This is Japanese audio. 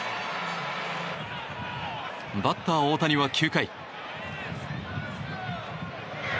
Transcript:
バッター大谷は９回。